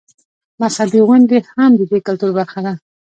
مذهبي غونډې هم د دې کلتور برخه ده.